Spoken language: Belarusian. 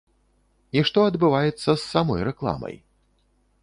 І што адбываецца з самой рэкламай?